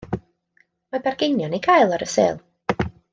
Mae bargeinion i gael ar y sêl.